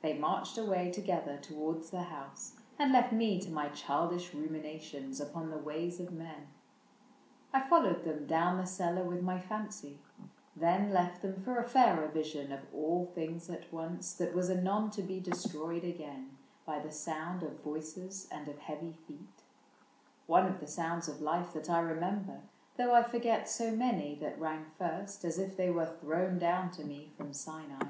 — They marched away together towards the house And left me to my childish ruminations Upon the ways of men. I followed them Down cellar with my fancy, and then left them For a fairer vision of all things at once That was anon to be destroyed again i\^* loo ISAAC AND ARCHIBALD By the sound of voices and of heavy feet — One of the sounds of life that I remember, Though I forget so many that rang first As if they were thrown down to me from Sinai.